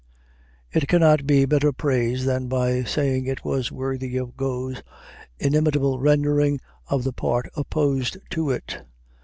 It cannot be better praised than by saying it was worthy of Got's inimitable rendering of the part opposed to it.